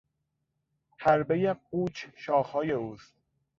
حربهی قوچ شاخهای اوست.